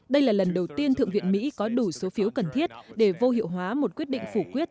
đây là lần đầu tiên thượng viện mỹ có đủ số phiếu cần thiết để vô hiệu hóa một quyết định phủ quyết